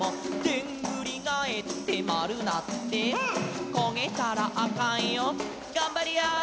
「でんぐりがえってまるなって」「こげたらあかんよがんばりやー」